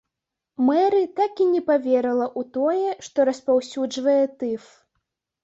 Мэры так і не паверыла ў тое, што распаўсюджвае тыф.